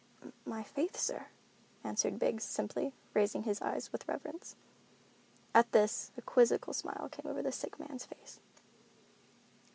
"My faith, sir," answered Biggs, simply, raising his eyes with reverence. At this, a quizzical smile came over the sick man's face.